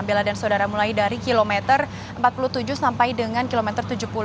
bella dan saudara mulai dari kilometer empat puluh tujuh sampai dengan kilometer tujuh puluh